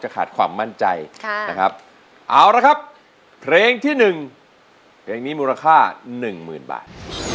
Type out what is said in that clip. เอาละครับเพลงที่๑เพลงนี้มูลค่า๑๐๐๐๐บาท